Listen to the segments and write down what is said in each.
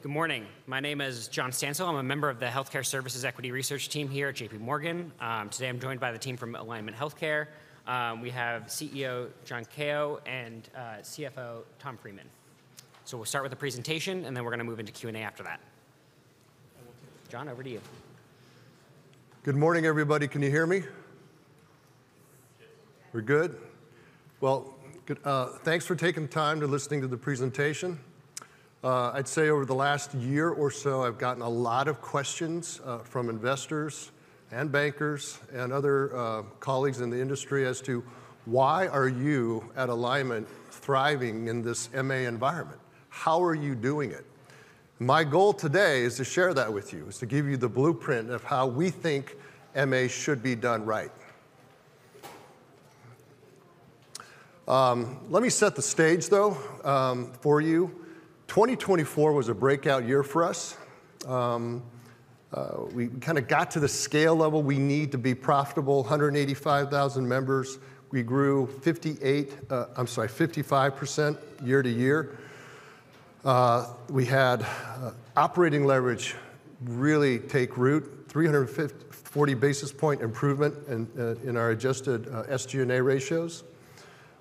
Good morning. My name is John Stansel. I'm a member of the Healthcare Services Equity Research Team here at J.P. Morgan. Today I'm joined by the team from Alignment Healthcare. We have CEO John Kao and CFO Tom Freeman. So we'll start with the presentation, and then we're going to move into Q&A after that. John, over to you. Good morning, everybody. Can you hear me? We're good? Thanks for taking the time to listen to the presentation. I'd say over the last year or so, I've gotten a lot of questions from investors and bankers and other colleagues in the industry as to why are you at Alignment thriving in this MA environment? How are you doing it? My goal today is to share that with you, is to give you the blueprint of how we think MA should be done right. Let me set the stage, though, for you. 2024 was a breakout year for us. We kind of got to the scale level we need to be profitable: 185,000 members. We grew 58%, I'm sorry, 55% year to year. We had operating leverage really take root, 340 basis points improvement in our adjusted SG&A ratios.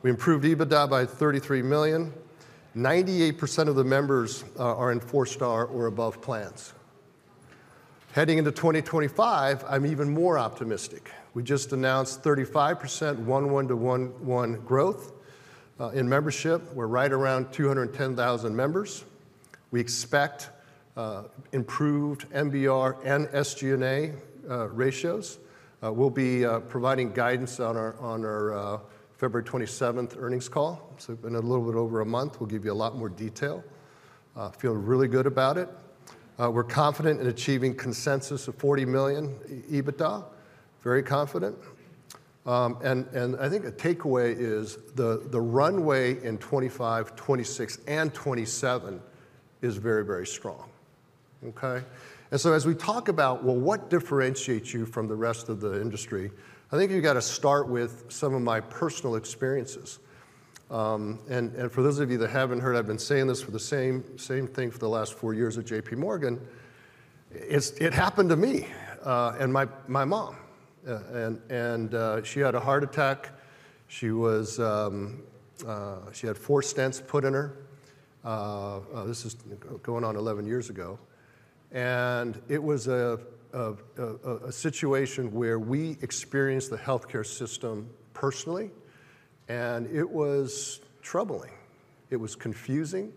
We improved EBITDA by $33 million. 98% of the members are in four-star or above plans. Heading into 2025, I'm even more optimistic. We just announced 35% 1/1 growth in membership. We're right around 210,000 members. We expect improved MBR and SG&A ratios. We'll be providing guidance on our February 27 earnings call. So in a little bit over a month, we'll give you a lot more detail. I feel really good about it. We're confident in achieving consensus of $40 million EBITDA. Very confident, and I think a takeaway is the runway in 2025, 2026, and 2027 is very, very strong. Okay, and so as we talk about, well, what differentiates you from the rest of the industry, I think you've got to start with some of my personal experiences, and for those of you that haven't heard, I've been saying this for the same thing for the last four years at J.P. Morgan. It happened to me and my mom. She had a heart attack. She had four stents put in her. This is going on 11 years ago. It was a situation where we experienced the healthcare system personally. It was troubling. It was confusing.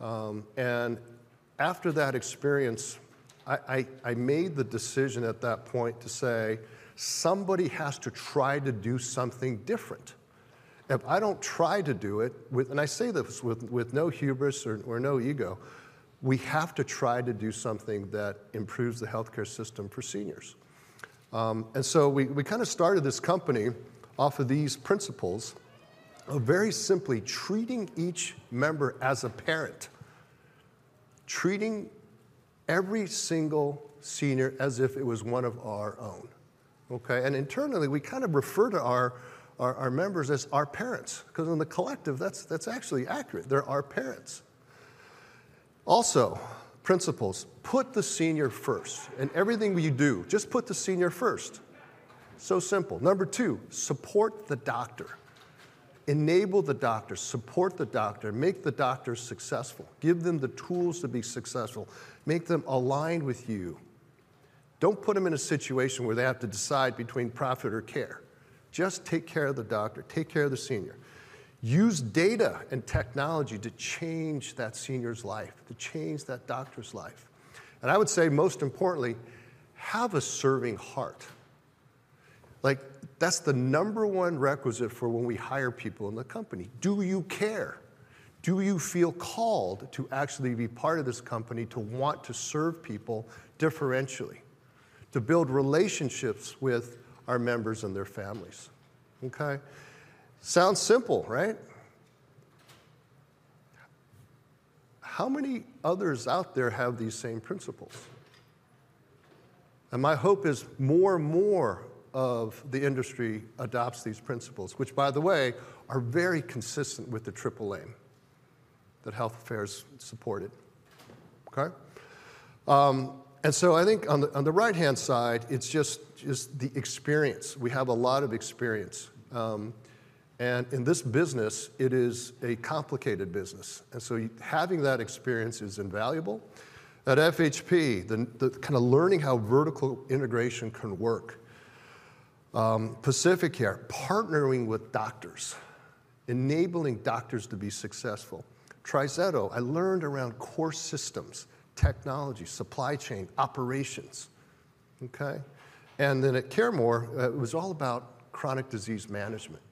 After that experience, I made the decision at that point to say, somebody has to try to do something different. If I don't try to do it, and I say this with no hubris or no ego, we have to try to do something that improves the healthcare system for seniors. We kind of started this company off of these principles of very simply treating each member as a parent, treating every single senior as if it was one of our own. Okay? Internally, we kind of refer to our members as our parents, because in the collective, that's actually accurate. They're our parents. Also, principles, put the senior first in everything you do. Just put the senior first. So simple. Number two, support the doctor. Enable the doctor, support the doctor, make the doctor successful, give them the tools to be successful, make them aligned with you. Don't put them in a situation where they have to decide between profit or care. Just take care of the doctor, take care of the senior. Use data and technology to change that senior's life, to change that doctor's life. And I would say, most importantly, have a serving heart. That's the number one requisite for when we hire people in the company. Do you care? Do you feel called to actually be part of this company, to want to serve people differentially, to build relationships with our members and their families? Okay? Sounds simple, right? How many others out there have these same principles? And my hope is more and more of the industry adopts these principles, which, by the way, are very consistent with the Triple Aim that Health Affairs supported. Okay? And so I think on the right-hand side, it's just the experience. We have a lot of experience. And in this business, it is a complicated business. And so having that experience is invaluable. At FHP, the kind of learning how vertical integration can work. PacifiCare, partnering with doctors, enabling doctors to be successful. TriZetto, I learned around core systems, technology, supply chain, operations. Okay? And then at CareMore, it was all about chronic disease management.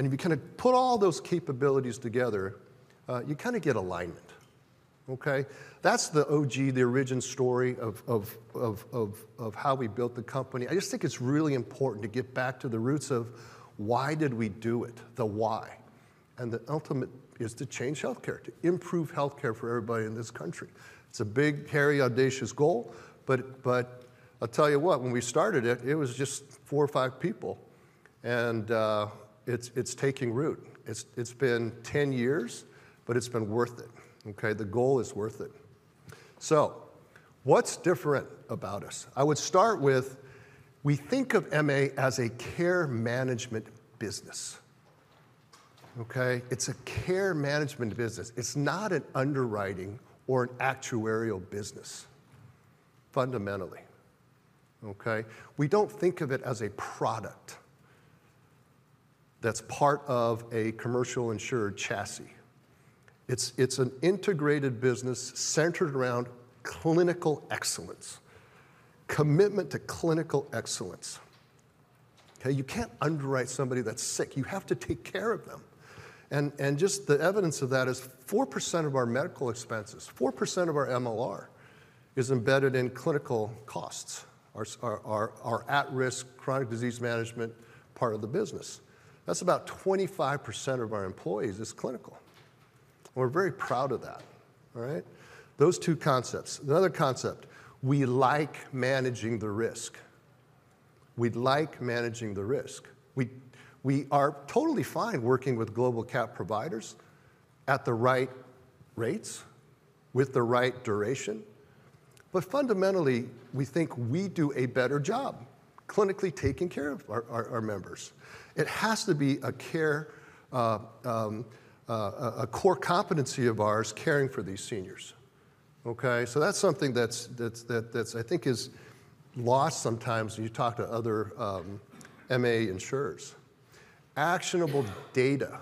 And you kind of put all those capabilities together, you kind of get alignment. Okay? That's the OG, the origin story of how we built the company. I just think it's really important to get back to the roots of why did we do it, the why. And the ultimate is to change healthcare, to improve healthcare for everybody in this country. It's a big, hairy, audacious goal. But I'll tell you what, when we started it, it was just four or five people. And it's taking root. It's been 10 years, but it's been worth it. Okay? The goal is worth it. So what's different about us? I would start with, we think of MA as a care management business. Okay? It's a care management business. It's not an underwriting or an actuarial business, fundamentally. Okay? We don't think of it as a product that's part of a commercial insured chassis. It's an integrated business centered around clinical excellence, commitment to clinical excellence. Okay? You can't underwrite somebody that's sick. You have to take care of them. And just the evidence of that is 4% of our medical expenses, 4% of our MLR is embedded in clinical costs, our at-risk chronic disease management part of the business. That's about 25% of our employees is clinical. We're very proud of that. All right? Those two concepts. The other concept, we like managing the risk. We like managing the risk. We are totally fine working with global cap providers at the right rates, with the right duration. But fundamentally, we think we do a better job clinically taking care of our members. It has to be a care, a core competency of ours, caring for these seniors. Okay? So that's something that's, I think, is lost sometimes when you talk to other MA insurers. Actionable data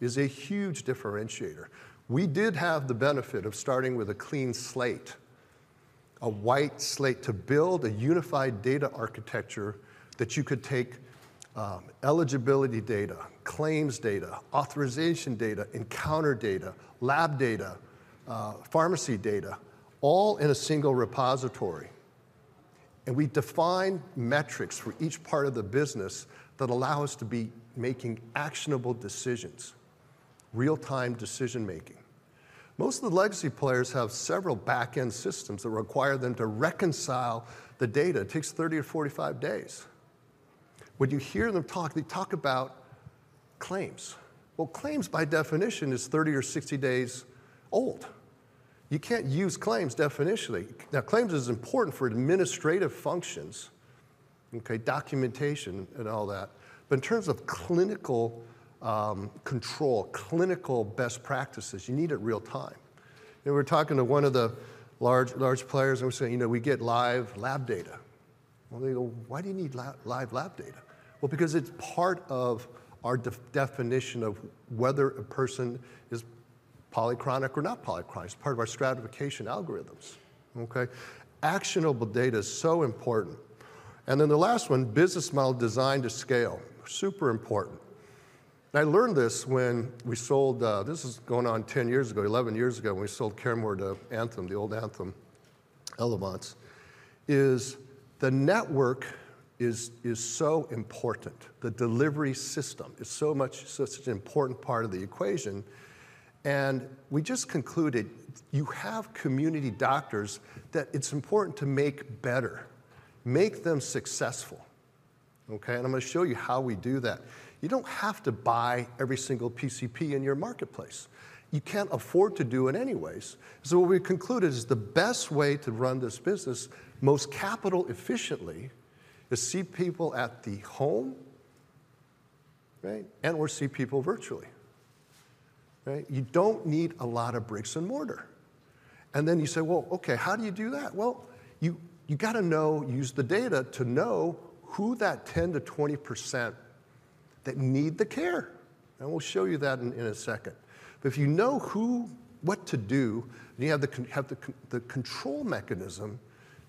is a huge differentiator. We did have the benefit of starting with a clean slate, a white slate to build a unified data architecture that you could take eligibility data, claims data, authorization data, encounter data, lab data, pharmacy data, all in a single repository. We define metrics for each part of the business that allow us to be making actionable decisions, real-time decision-making. Most of the legacy players have several back-end systems that require them to reconcile the data. It takes 30 or 45 days. When you hear them talk, they talk about claims. Well, claims by definition is 30 or 60 days old. You can't use claims definitionally. Now, claims is important for administrative functions, documentation, and all that. But in terms of clinical control, clinical best practices, you need it real-time. We're talking to one of the large players, and we're saying, you know, we get live lab data. They go, why do you need live lab data? Well, because it's part of our definition of whether a person is polychronic or not polychronic. It's part of our stratification algorithms. Okay? Actionable data is so important. And then the last one, business model design to scale, super important. I learned this when we sold. This is going on 10 years ago, 11 years ago, when we sold CareMore to Anthem, the old Anthem Elevance. Is the network so important. The delivery system is so much, such an important part of the equation. And we just concluded you have community doctors that it's important to make better, make them successful. Okay? And I'm going to show you how we do that. You don't have to buy every single PCP in your marketplace. You can't afford to do it anyways. So what we concluded is the best way to run this business most capital efficiently is see people at the home, right, and/or see people virtually. Right? You don't need a lot of bricks and mortar. And then you say, well, okay, how do you do that? Well, you got to know, use the data to know who that 10%-20% that need the care. And we'll show you that in a second. But if you know what to do, you have the control mechanism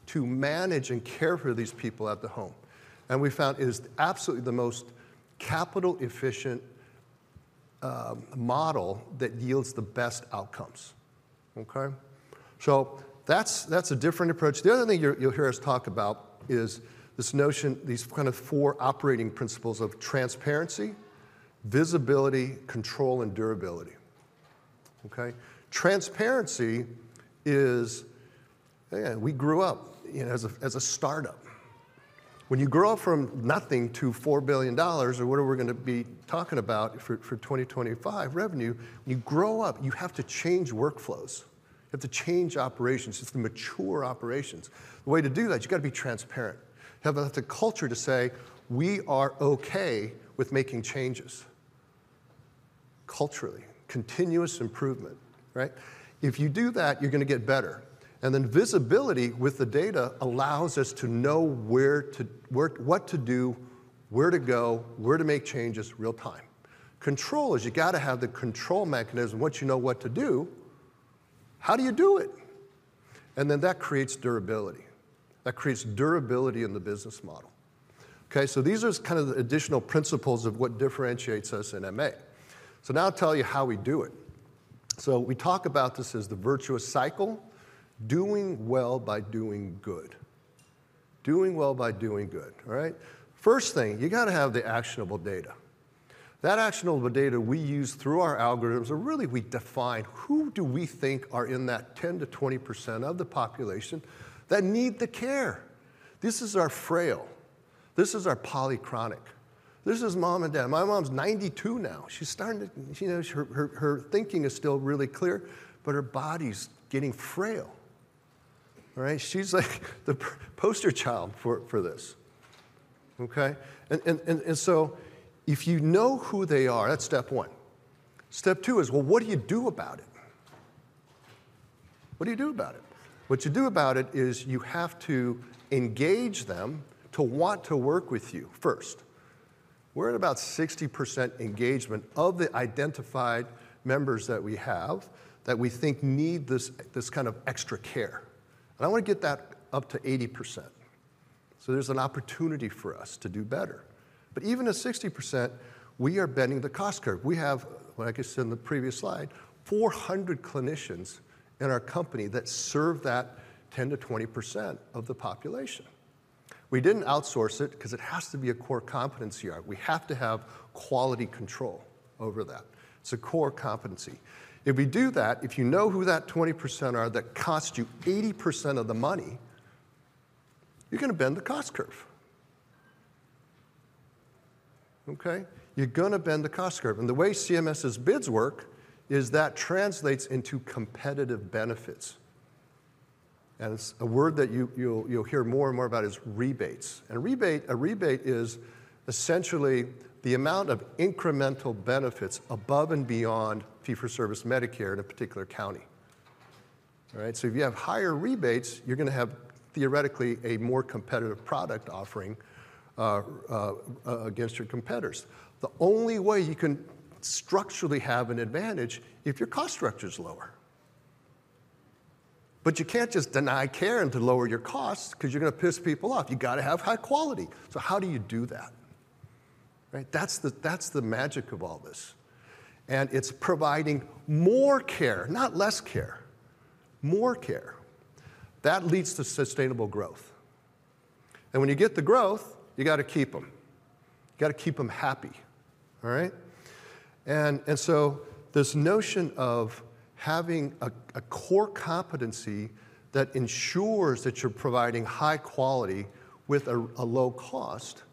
to manage and care for these people at the home. And we found it is absolutely the most capital efficient model that yields the best outcomes. Okay? So that's a different approach. The other thing you'll hear us talk about is this notion, these kind of four operating principles of transparency, visibility, control, and durability. Okay? Transparency is, again, we grew up as a startup. When you grow up from nothing to $4 billion or what are we going to be talking about for 2025 revenue, when you grow up, you have to change workflows. You have to change operations. You have to mature operations. The way to do that, you've got to be transparent. You have to have the culture to say, we are okay with making changes culturally, continuous improvement. Right? If you do that, you're going to get better. And then visibility with the data allows us to know what to do, where to go, where to make changes real-time. Control is you got to have the control mechanism once you know what to do. How do you do it? And then that creates durability. That creates durability in the business model. Okay? These are kind of the additional principles of what differentiates us in MA. Now I'll tell you how we do it. We talk about this as the virtuous cycle, doing well by doing good. Doing well by doing good. All right? First thing, you got to have the actionable data. That actionable data we use through our algorithms are really we define who do we think are in that 10%-20% of the population that need the care. This is our frail. This is our polychronic. This is mom and dad. My mom's 92 now. She's starting to, you know, her thinking is still really clear, but her body's getting frail. All right? She's like the poster child for this. Okay? If you know who they are, that's step one. Step two is, well, what do you do about it? What do you do about it? What you do about it is you have to engage them to want to work with you first. We're at about 60% engagement of the identified members that we have that we think need this kind of extra care. And I want to get that up to 80%. So there's an opportunity for us to do better. But even at 60%, we are bending the cost curve. We have, like I said in the previous slide, 400 clinicians in our company that serve that 10%-20% of the population. We didn't outsource it because it has to be a core competency art. We have to have quality control over that. It's a core competency. If we do that, if you know who that 20% are that cost you 80% of the money, you're going to bend the cost curve. Okay? You're going to bend the cost curve. And the way CMS's bids work is that translates into competitive benefits. And it's a word that you'll hear more and more about is rebates. And a rebate is essentially the amount of incremental benefits above and beyond fee-for-service Medicare in a particular county. All right? So if you have higher rebates, you're going to have theoretically a more competitive product offering against your competitors. The only way you can structurally have an advantage is if your cost structure is lower. But you can't just deny care and to lower your costs because you're going to piss people off. You got to have high quality. So how do you do that? Right? That's the magic of all this. And it's providing more care, not less care, more care. That leads to sustainable growth. And when you get the growth, you got to keep them. You got to keep them happy. All right? And so this notion of having a core competency that ensures that you're providing high quality with a low cost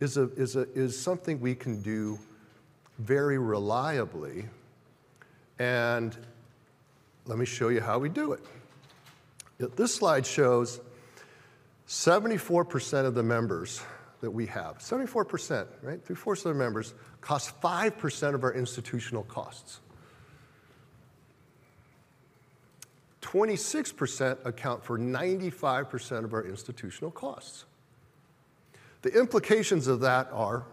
is something we can do very reliably. And let me show you how we do it. This slide shows 74% of the members that we have, 74%, right? 3/4 of the members cost 5% of our institutional costs. 26% account for 95% of our institutional costs. The implications of that are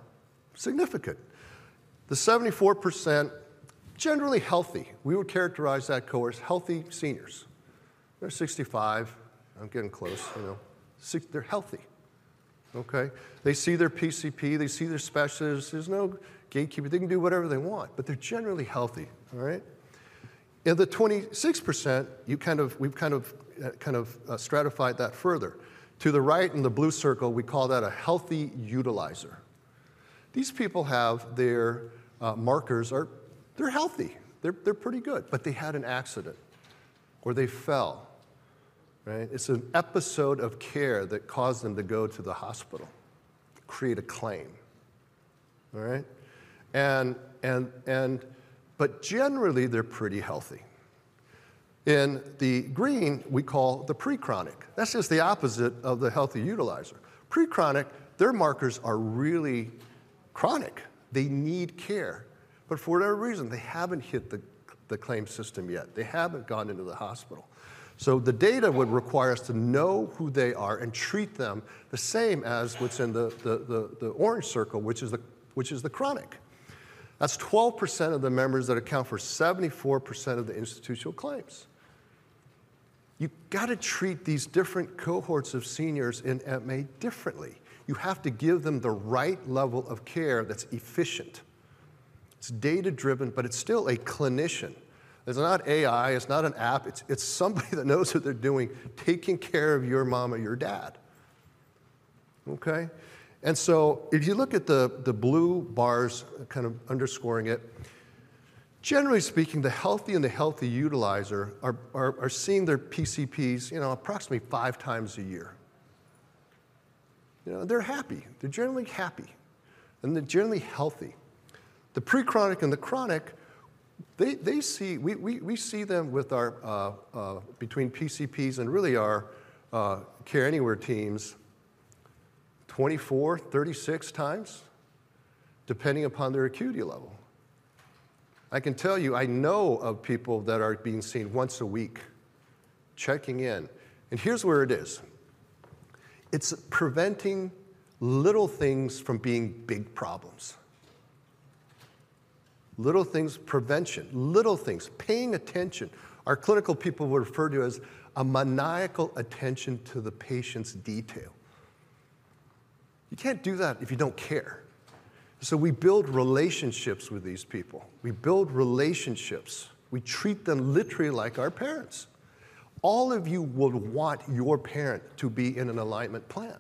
significant. The 74% generally healthy. We would characterize that cohort as healthy seniors. They're 65. I'm getting close. They're healthy. Okay? They see their PCP. They see their specialist. There's no gatekeeper. They can do whatever they want, but they're generally healthy. All right? And the 26%, you kind of, we've kind of stratified that further. To the right in the blue circle, we call that a healthy utilizer. These people have their markers, they're healthy. They're pretty good. But they had an accident or they fell. Right? It's an episode of care that caused them to go to the hospital, create a claim. All right? And but generally, they're pretty healthy. In the green, we call the pre-chronic. That's just the opposite of the healthy utilizer. Pre-chronic, their markers are really chronic. They need care. But for whatever reason, they haven't hit the claim system yet. They haven't gone into the hospital. So the data would require us to know who they are and treat them the same as what's in the orange circle, which is the chronic. That's 12% of the members that account for 74% of the institutional claims. You got to treat these different cohorts of seniors in MA differently. You have to give them the right level of care that's efficient. It's data-driven, but it's still a clinician. It's not AI. It's not an app. It's somebody that knows what they're doing, taking care of your mom or your dad. Okay? And so if you look at the blue bars kind of underscoring it, generally speaking, the healthy and the healthy utilizer are seeing their PCPs, you know, approximately five times a year. You know, they're happy. They're generally happy. And they're generally healthy. The pre-chronic and the chronic, we see them, between PCPs and really our Care Anywhere teams, 24-36 times, depending upon their acuity level. I can tell you, I know of people that are being seen once a week, checking in. And here's where it is. It's preventing little things from being big problems. Little things, prevention, little things, paying attention. Our clinical people would refer to it as a maniacal attention to the patient's detail. You can't do that if you don't care. So we build relationships with these people. We build relationships. We treat them literally like our parents. All of you would want your parent to be in an Alignment plan.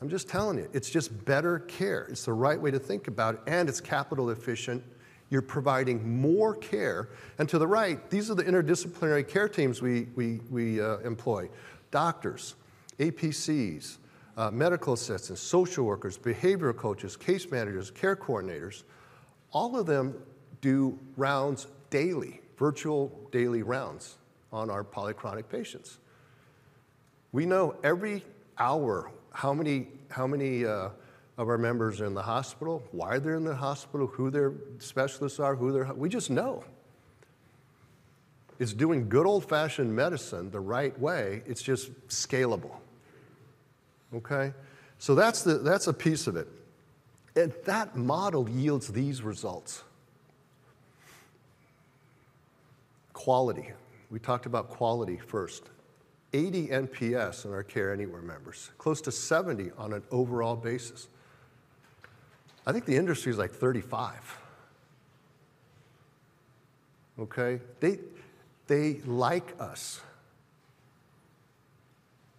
I'm just telling you, it's just better care. It's the right way to think about it, and it's capital efficient. You're providing more care, and to the right, these are the interdisciplinary care teams we employ: doctors, APCs, medical assistants, social workers, behavioral coaches, case managers, care coordinators. All of them do rounds daily, virtual daily rounds on our polychronic patients. We know every hour how many of our members are in the hospital, why they're in the hospital, who their specialists are, who they're helping. We just know. It's doing good old-fashioned medicine the right way. It's just scalable. Okay? So that's a piece of it, and that model yields these results. Quality. We talked about quality first. 80 NPS in our Care Anywhere members, close to 70 on an overall basis. I think the industry is like 35. Okay? They like us.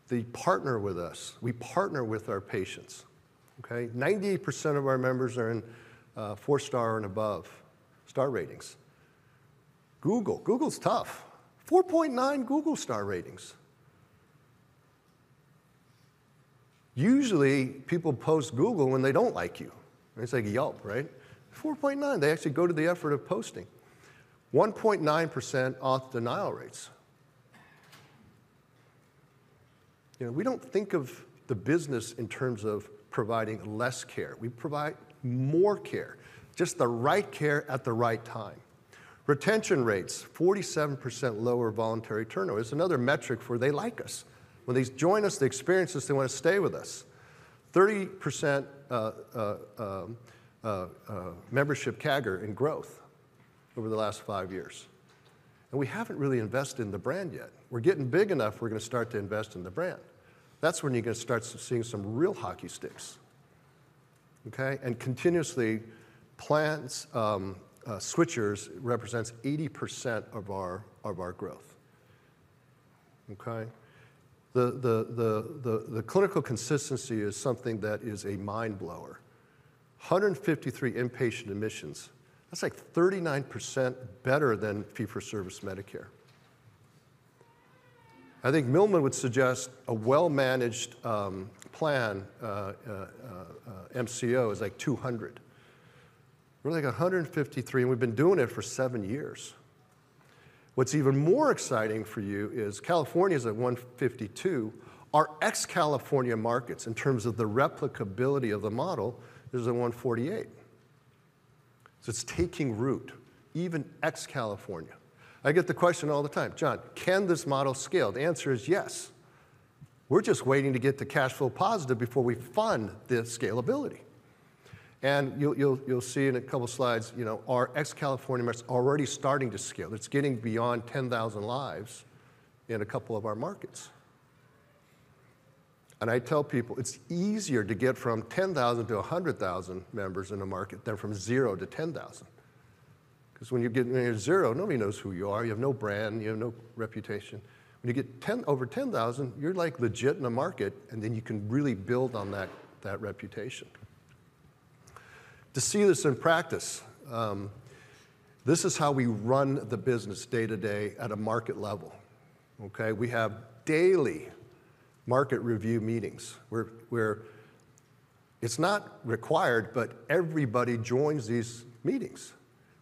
They partner with us. We partner with our patients. Okay? 98% of our members are in four-star and above star ratings. Google. Google's tough. 4.9 Google star ratings. Usually, people post Google when they don't like you. It's like a Yelp, right? 4.9. They actually go to the effort of posting. 1.9% auth denial rates. You know, we don't think of the business in terms of providing less care. We provide more care, just the right care at the right time. Retention rates, 47% lower voluntary turnover. It's another metric for they like us. When they join us, they experience this. They want to stay with us. 30% membership CAGR in growth over the last five years, and we haven't really invested in the brand yet. We're getting big enough. We're going to start to invest in the brand. That's when you're going to start seeing some real hockey sticks. Okay? And continuously, plan switchers represent 80% of our growth. Okay? The clinical consistency is something that is a mind-blower. 153 inpatient admissions. That's like 39% better than fee-for-service Medicare. I think Milliman would suggest a well-managed plan, MCO is like 200. We're like 153, and we've been doing it for seven years. What's even more exciting for you is California is at 152. Our ex-California markets, in terms of the replicability of the model, is at 148. So it's taking root, even ex-California. I get the question all the time, "John, can this model scale?" The answer is yes. We're just waiting to get the cash flow positive before we fund the scalability. And you'll see in a couple of slides, you know, our ex-California members are already starting to scale. It's getting beyond 10,000 lives in a couple of our markets. And I tell people, it's easier to get from 10,000 to 100,000 members in a market than from 0 to 10,000. Because when you're 0, nobody knows who you are. You have no brand. You have no reputation. When you get over 10,000, you're like legit in a market, and then you can really build on that reputation. To see this in practice, this is how we run the business day-to-day at a market level. Okay? We have daily market review meetings where it's not required, but everybody joins these meetings.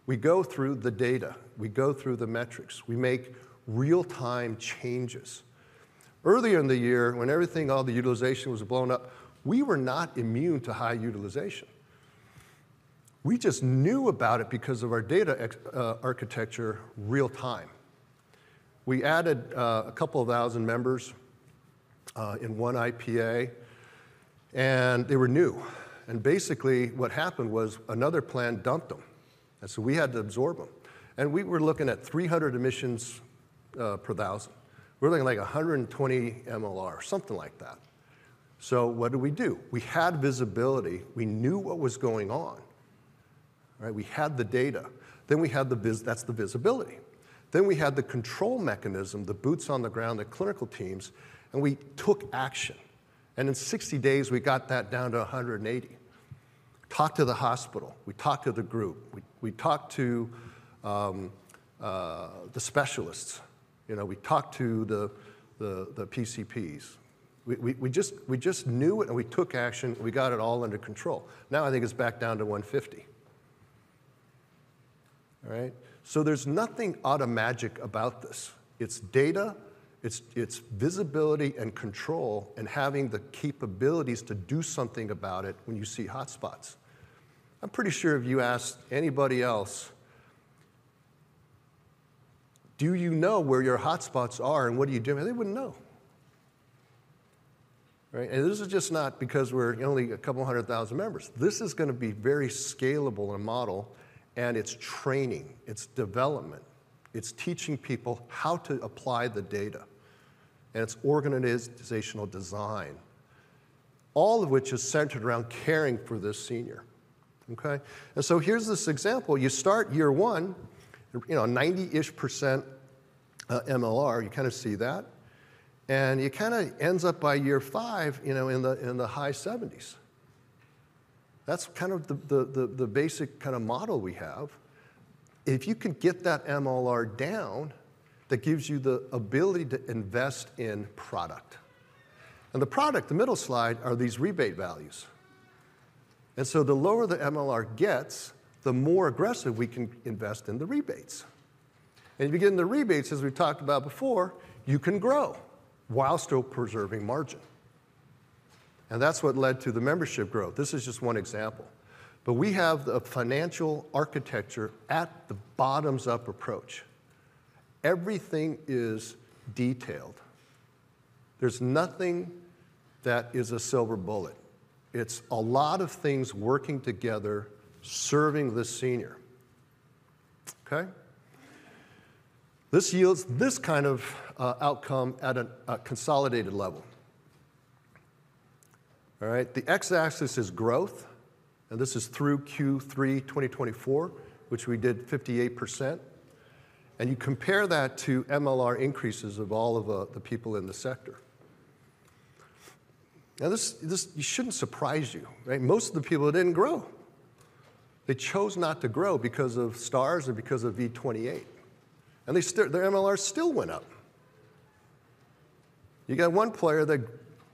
We go through the data. We go through the metrics. We make real-time changes. Earlier in the year, when everything, all the utilization was blown up, we were not immune to high utilization. We just knew about it because of our data architecture real-time. We added a couple of thousand members in one IPA, and they were new. And basically, what happened was another plan dumped them. And so we had to absorb them. And we were looking at 300 admissions per thousand. We're looking at like 120 MLR, something like that. So what did we do? We had visibility. We knew what was going on. All right? We had the data. Then we had the vis that's the visibility. Then we had the control mechanism, the boots on the ground, the clinical teams, and we took action. And in 60 days, we got that down to 180. We talked to the hospital. We talked to the group. We talked to the specialists. You know, we talked to the PCPs. We just knew it, and we took action. We got it all under control. Now I think it's back down to 150. All right? So there's nothing out of magic about this. It's data, it's visibility and control, and having the capabilities to do something about it when you see hotspots. I'm pretty sure if you asked anybody else, "Do you know where your hotspots are and what are you doing?" They wouldn't know. Right? And this is just not because we're only a couple hundred thousand members. This is going to be very scalable in a model, and it's training. It's development. It's teaching people how to apply the data. And it's organizational design, all of which is centered around caring for this senior. Okay? And so here's this example. You start year one, you know, 90-ish% MLR. You kind of see that. And you kind of ends up by year five, you know, in the high 70s. That's kind of the basic kind of model we have. If you can get that MLR down, that gives you the ability to invest in product. And the product, the middle slide, are these rebate values. And so the lower the MLR gets, the more aggressive we can invest in the rebates. And you begin the rebates, as we've talked about before, you can grow while still preserving margin. And that's what led to the membership growth. This is just one example. But we have the financial architecture at the bottoms-up approach. Everything is detailed. There's nothing that is a silver bullet. It's a lot of things working together, serving the senior. Okay? This yields this kind of outcome at a consolidated level. All right? The x-axis is growth. And this is through Q3 2024, which we did 58%. And you compare that to MLR increases of all of the people in the sector. Now, this shouldn't surprise you, right? Most of the people didn't grow. They chose not to grow because of stars or because of V28. And their MLR still went up. You got one player that,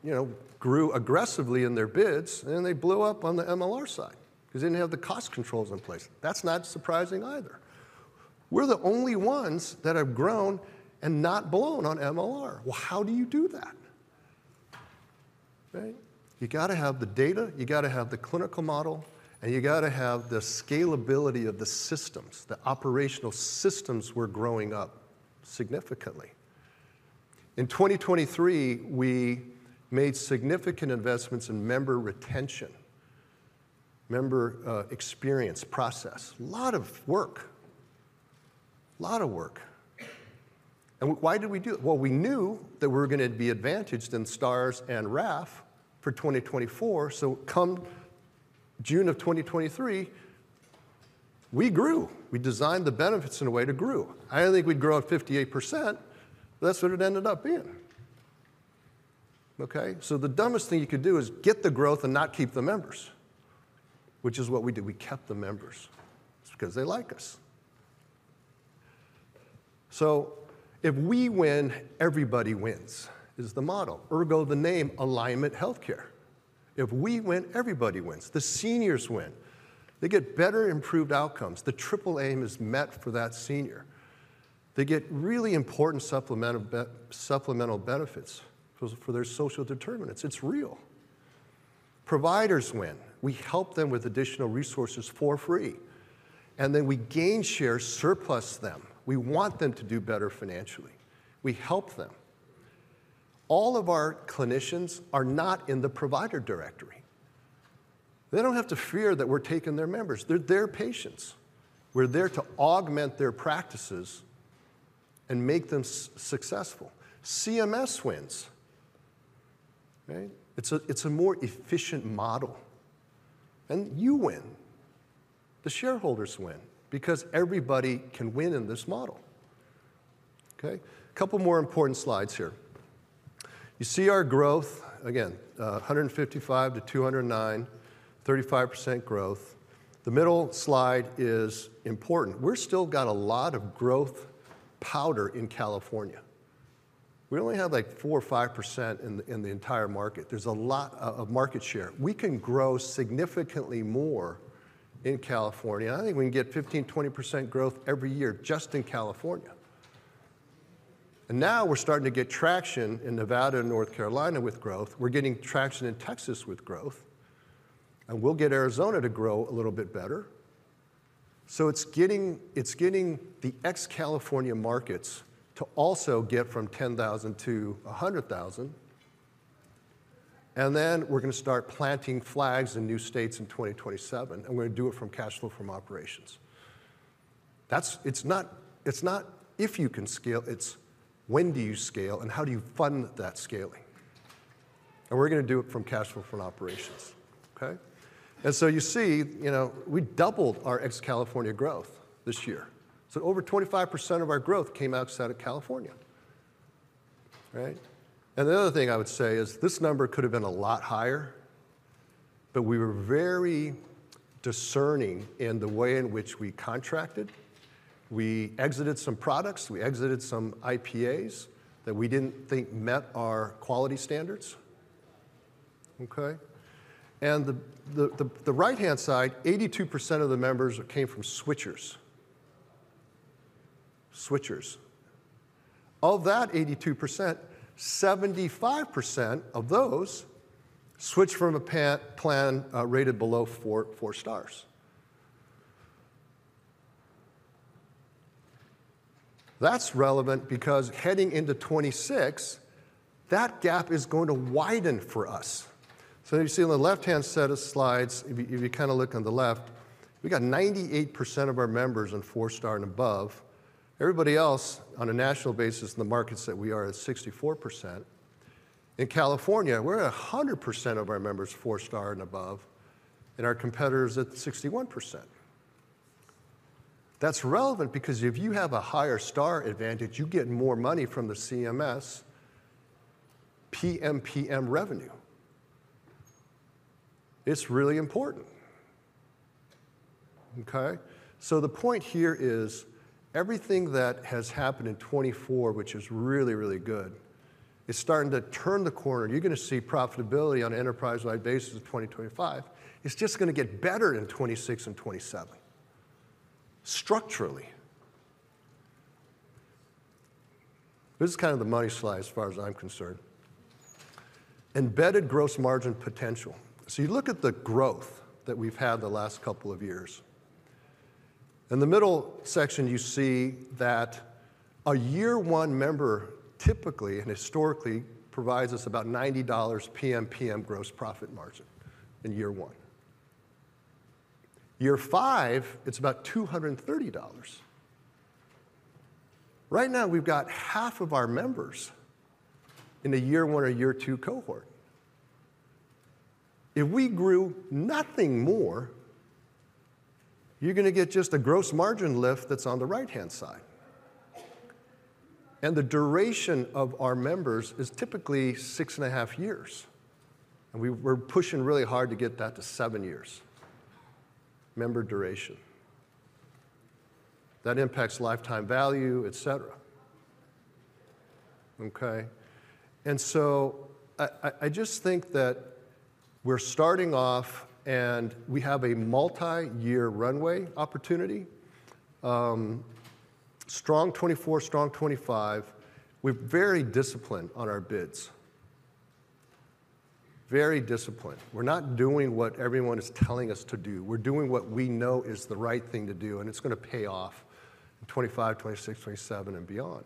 you know, grew aggressively in their bids, and then they blew up on the MLR side because they didn't have the cost controls in place. That's not surprising either. We're the only ones that have grown and not blown on MLR. Well, how do you do that? Right? You got to have the data. You got to have the clinical model, and you got to have the scalability of the systems, the operational systems were growing up significantly. In 2023, we made significant investments in member retention, member experience process. A lot of work. A lot of work. And why did we do it? Well, we knew that we were going to be advantaged in stars and RAF for 2024. So come June of 2023, we grew. We designed the benefits in a way to grow. I didn't think we'd grow at 58%, but that's what it ended up being. Okay? So the dumbest thing you could do is get the growth and not keep the members, which is what we did. We kept the members because they like us. So if we win, everybody wins is the model. Ergo, the name Alignment Healthcare. If we win, everybody wins. The seniors win. They get better improved outcomes. The Triple Aim is met for that senior. They get really important supplemental benefits for their social determinants. It's real. Providers win. We help them with additional resources for free. And then we gain share surplus them. We want them to do better financially. We help them. All of our clinicians are not in the provider directory. They don't have to fear that we're taking their members. They're their patients. We're there to augment their practices and make them successful. CMS wins. Right? It's a more efficient model. And you win. The shareholders win because everybody can win in this model. Okay? A couple more important slides here. You see our growth, again, 155 to 209, 35% growth. The middle slide is important. We've still got a lot of growth powder in California. We only have like 4% or 5% in the entire market. There's a lot of market share. We can grow significantly more in California. I think we can get 15%-20% growth every year just in California. And now we're starting to get traction in Nevada and North Carolina with growth. We're getting traction in Texas with growth. And we'll get Arizona to grow a little bit better. So it's getting the ex-California markets to also get from 10,000 to 100,000. And then we're going to start planting flags in new states in 2027. And we're going to do it from cash flow from operations. It's not if you can scale. It's when do you scale and how do you fund that scaling. And we're going to do it from cash flow from operations. Okay? And so you see, you know, we doubled our ex-California growth this year. So over 25% of our growth came outside of California. Right? And the other thing I would say is this number could have been a lot higher, but we were very discerning in the way in which we contracted. We exited some products. We exited some IPAs that we didn't think met our quality standards. Okay? And the right-hand side, 82% of the members came from switchers. Switchers. Of that 82%, 75% of those switched from a plan rated below four stars. That's relevant because heading into 2026, that gap is going to widen for us. So you see on the left-hand set of slides, if you kind of look on the left, we got 98% of our members in four-star and above. Everybody else on a national basis in the markets that we are is 64%. In California, we're at 100% of our members four-star and above, and our competitors at 61%. That's relevant because if you have a higher star advantage, you get more money from the CMS PMPM revenue. It's really important. Okay? The point here is everything that has happened in 2024, which is really, really good, is starting to turn the corner. You're going to see profitability on an enterprise-wide basis in 2025. It's just going to get better in 2026 and 2027. Structurally. This is kind of the money slide as far as I'm concerned. Embedded gross margin potential. So you look at the growth that we've had the last couple of years. In the middle section, you see that a year-one member typically and historically provides us about $90 PMPM gross profit margin in year one. Year five, it's about $230. Right now, we've got half of our members in a year-one or year-two cohort. If we grew nothing more, you're going to get just a gross margin lift that's on the right-hand side. And the duration of our members is typically six and a half years. And we're pushing really hard to get that to seven years. Member duration. That impacts lifetime value, etc. Okay? And so I just think that we're starting off, and we have a multi-year runway opportunity. Strong 2024, strong 2025. We're very disciplined on our bids. Very disciplined. We're not doing what everyone is telling us to do. We're doing what we know is the right thing to do, and it's going to pay off in 2025, 2026, 2027, and beyond.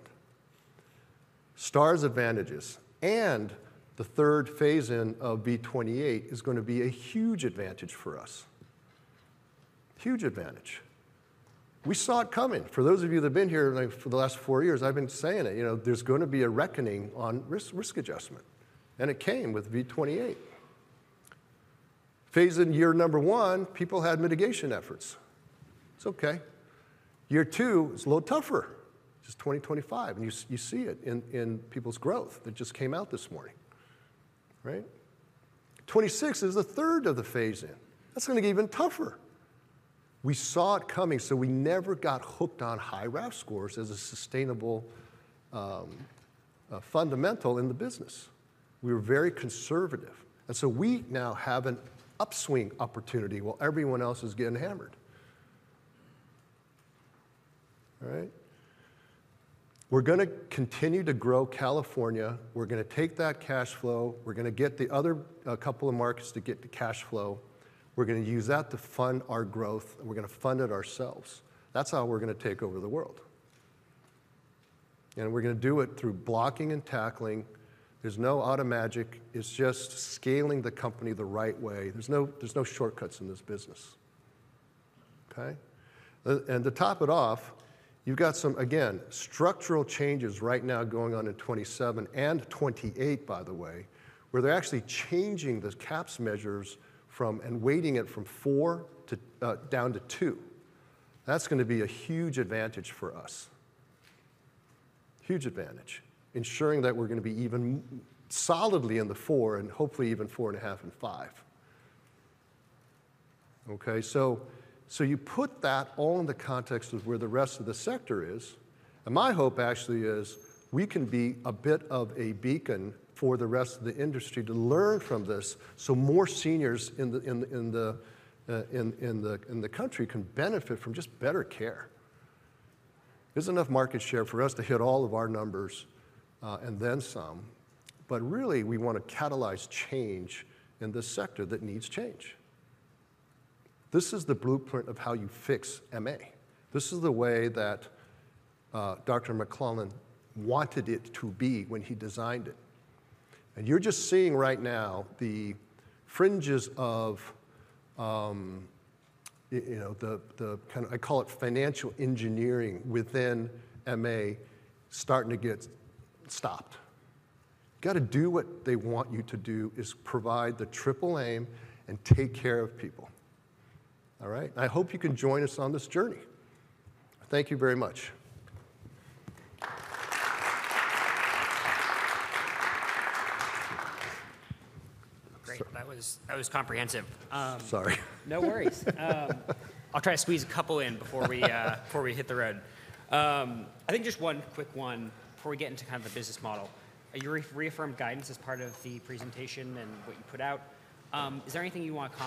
Stars advantages and the third phase-in of V28 is going to be a huge advantage for us. Huge advantage. We saw it coming. For those of you that have been here for the last four years, I've been saying it. You know, there's going to be a reckoning on risk adjustment. And it came with V28. Phase-in year number one, people had mitigation efforts. It's okay. Year two is a little tougher. It's 2025, and you see it in people's growth that just came out this morning. Right? '26 is the third of the phase-in. That's going to get even tougher. We saw it coming, so we never got hooked on high RAF scores as a sustainable fundamental in the business. We were very conservative, and so we now have an upswing opportunity while everyone else is getting hammered. All right? We're going to continue to grow California. We're going to take that cash flow. We're going to get the other couple of markets to get the cash flow. We're going to use that to fund our growth, and we're going to fund it ourselves. That's how we're going to take over the world, and we're going to do it through blocking and tackling. There's no out of magic. It's just scaling the company the right way. There's no shortcuts in this business. Okay? And to top it off, you've got some, again, structural changes right now going on in 2027 and 2028, by the way, where they're actually changing the CAHPS measures from and weighting it from four down to two. That's going to be a huge advantage for us. Huge advantage. Ensuring that we're going to be even solidly in the four and hopefully even four and a half and five. Okay? So you put that all in the context of where the rest of the sector is. And my hope actually is we can be a bit of a beacon for the rest of the industry to learn from this so more seniors in the country can benefit from just better care. There's enough market share for us to hit all of our numbers and then some. But really, we want to catalyze change in this sector that needs change. This is the blueprint of how you fix MA. This is the way that Dr. McClellan wanted it to be when he designed it. And you're just seeing right now the fringes of, you know, the kind of, I call it financial engineering within MA starting to get stopped. You got to do what they want you to do is provide the Triple Aim and take care of people. All right? And I hope you can join us on this journey. Thank you very much. Great. That was comprehensive. Sorry. No worries. I'll try to squeeze a couple in before we hit the road. I think just one quick one before we get into kind of the business model. You reaffirmed guidance as part of the presentation and what you put out. Is there anything you want to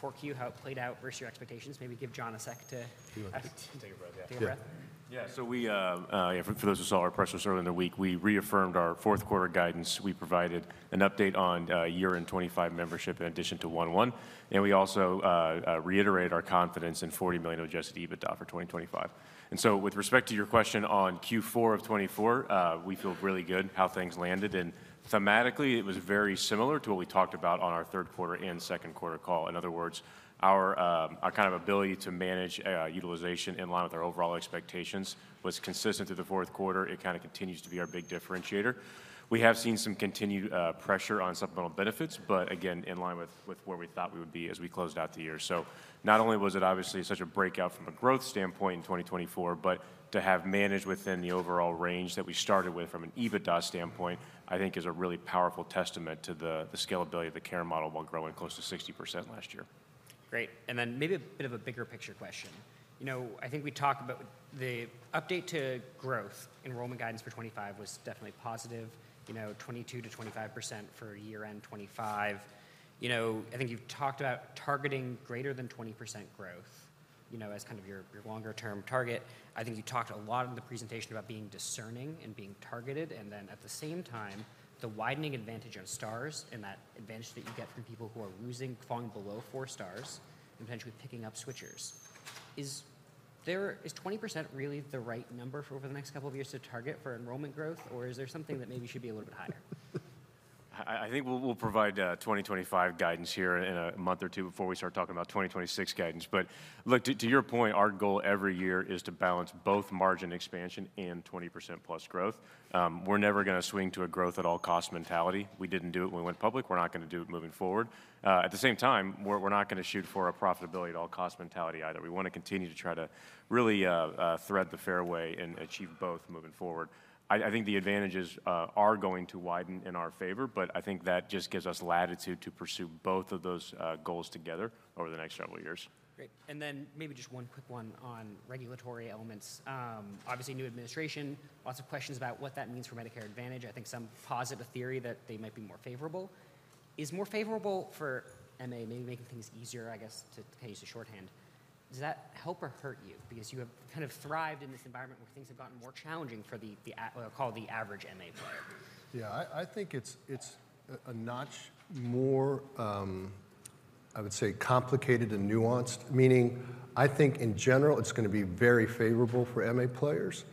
comment on about 4Q, how it played out versus your expectations? Maybe give John a sec to. Take a breath. Take a breath. Yeah. So, for those who saw our press release earlier in the week, we reaffirmed our fourth quarter guidance. We provided an update on year-end 2025 membership in addition to one-on-one, and we also reiterated our confidence in $40 million of Adjusted EBITDA for 2025, and so with respect to your question on Q4 of 2024, we feel really good how things landed, and thematically, it was very similar to what we talked about on our third quarter and second quarter call. In other words, our kind of ability to manage utilization in line with our overall expectations was consistent through the fourth quarter. It kind of continues to be our big differentiator. We have seen some continued pressure on supplemental benefits, but again, in line with where we thought we would be as we closed out the year. So not only was it obviously such a breakout from a growth standpoint in 2024, but to have managed within the overall range that we started with from an EBITDA standpoint, I think is a really powerful testament to the scalability of the care model while growing close to 60% last year. Great. And then maybe a bit of a bigger picture question. You know, I think we talked about the update to growth enrollment guidance for 2025 was definitely positive. You know, 22%-25% for year-end 2025. You know, I think you've talked about targeting greater than 20% growth, you know, as kind of your longer-term target. I think you talked a lot in the presentation about being discerning and being targeted. And then at the same time, the widening advantage on stars and that advantage that you get from people who are losing, falling below four stars and potentially picking up switchers. Is 20% really the right number for over the next couple of years to target for enrollment growth, or is there something that maybe should be a little bit higher? I think we'll provide 2025 guidance here in a month or two before we start talking about 2026 guidance. But look, to your point, our goal every year is to balance both margin expansion and 20% plus growth. We're never going to swing to a growth-at-all-cost mentality. We didn't do it when we went public. We're not going to do it moving forward. At the same time, we're not going to shoot for a profitability-at-all-cost mentality either. We want to continue to try to really thread the fairway and achieve both moving forward. I think the advantages are going to widen in our favor, but I think that just gives us latitude to pursue both of those goals together over the next several years. Great. And then maybe just one quick one on regulatory elements. Obviously, new administration, lots of questions about what that means for Medicare Advantage. I think some positive theory that they might be more favorable is more favorable for MA, maybe making things easier, I guess, to kind of use the shorthand. Does that help or hurt you? Because you have kind of thrived in this environment where things have gotten more challenging for the, I'll call it the average MA player. Yeah. I think it's a notch more, I would say, complicated and nuanced. Meaning, I think in general, it's going to be very favorable for MA players.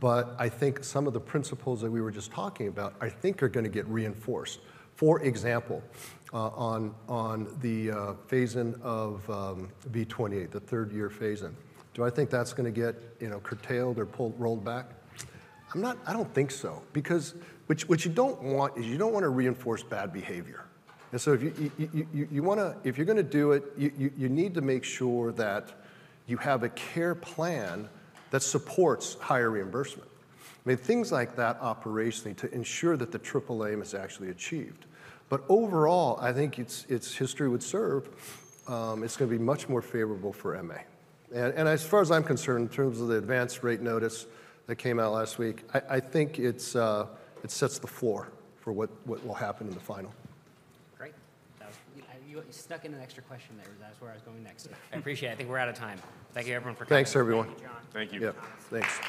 But I think some of the principles that we were just talking about, I think, are going to get reinforced. For example, on the phase-in of V28, the third-year phase-in, do I think that's going to get, you know, curtailed or rolled back? I don't think so. Because what you don't want is you don't want to reinforce bad behavior. And so you want to, if you're going to do it, you need to make sure that you have a care plan that supports higher reimbursement. I mean, things like that operationally to ensure that the Triple Aim is actually achieved. But overall, I think its history would serve. It's going to be much more favorable for MA. As far as I'm concerned, in terms of the Advance Rate Notice that came out last week, I think it sets the floor for what will happen in the final. Great. You stuck in an extra question there, which is where I was going next. I appreciate it. I think we're out of time. Thank you, everyone, for coming. Thanks, everyone. Thank you, Thomas. Thanks.